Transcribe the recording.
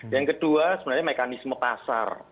yang kedua sebenarnya mekanisme pasar